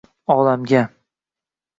olamga.